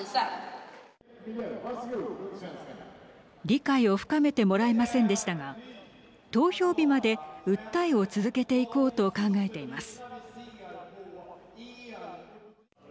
理解を深めてもらえませんでしたが投票日まで訴えを続けていこうと考えています。